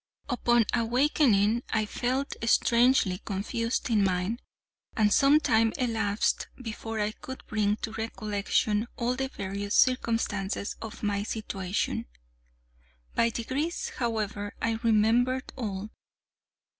Upon awakening I felt strangely confused in mind, and some time elapsed before I could bring to recollection all the various circumstances of my situation. By degrees, however, I remembered all.